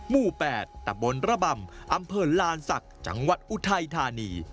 หมู่๘ตะบนระบำอำเภอลานศักดิ์จังหวัดอุทัยธานี